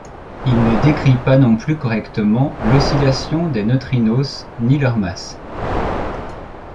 Il ne décrit pas non plus correctement l'oscillation des neutrinos ni leur masse.